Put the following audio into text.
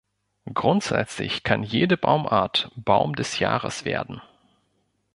Grundsätzlich kann jede Baumart „Baum des Jahres“ werden.